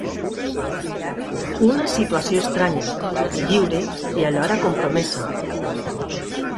Una situació estranya, lliure i alhora compromesa...